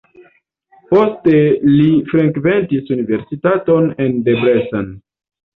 Poste li frekventis universitaton en Debrecen.